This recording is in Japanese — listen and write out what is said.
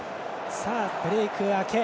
ブレーク明け。